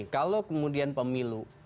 kalau kemudian pemilu